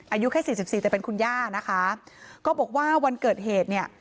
อายุแค่สี่สิบสี่แต่เป็นคุณย่านะคะก็บอกว่าวันเกิดเหตุเนี่ย